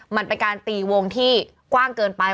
มันเป็นการตีวงที่กว้างเกินไป